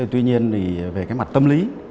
tuy nhiên thì về cái mặt tâm lý